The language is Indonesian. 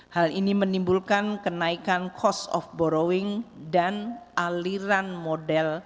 hal ini menimbulkan kenaikan cost of borrowing dan aliran model